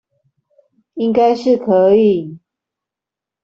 應該是可以